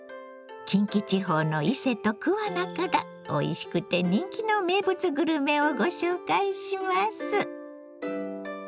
近畿地方の伊勢と桑名からおいしくて人気の名物グルメをご紹介します。